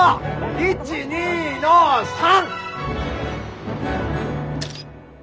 １２の３！